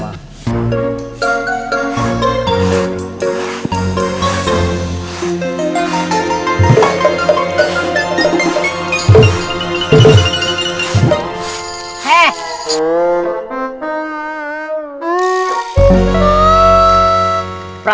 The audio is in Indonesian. baik ke carta